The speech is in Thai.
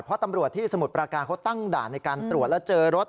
เพราะตำรวจที่สมุทรประการเขาตั้งด่านในการตรวจแล้วเจอรถ